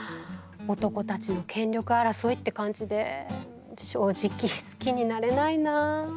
男たちの権力争いって感じで正直好きになれないなあ。